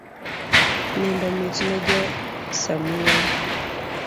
Nindo mitne ja samuoyo